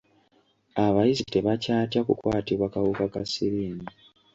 Abayizi tebakyatya kukwatibwa kawuka ka Siriimu.